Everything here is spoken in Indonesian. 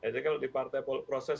jadi kalau di partai proses